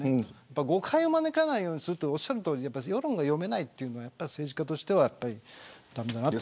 誤解を招かないようにするというのはおっしゃるとおり世論が読めないというのは政治家としては駄目だなと。